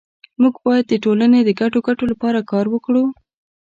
مونږ باید د ټولنې د ګډو ګټو لپاره کار وکړو